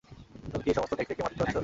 তুমি কি এই সমস্ত নেকড়ে কে মারতে যাচ্ছো?